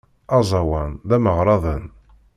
Aẓawan d ameɣradan.